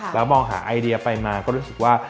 แล้วมองหาไอเดียไปมาก็รู้สึกว่า